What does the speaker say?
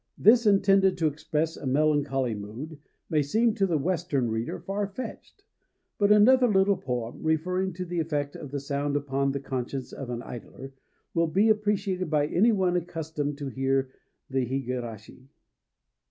This, intended to express a melancholy mood, may seem to the Western reader far fetched. But another little poem referring to the effect of the sound upon the conscience of an idler will be appreciated by any one accustomed to hear the higurashi.